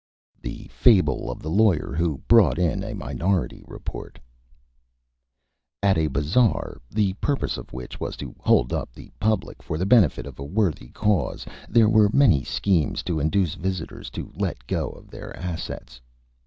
_ THE FABLE OF THE LAWYER WHO BROUGHT IN A MINORITY REPORT At a Bazaar, the purpose of which was to Hold Up the Public for the Benefit of a Worthy Cause, there were many Schemes to induce Visitors to let go of their Assets.